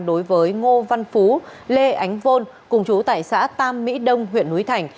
đối với ngô văn phú lê ánh vôn cùng chú tại xã tam mỹ đông huyện núi thành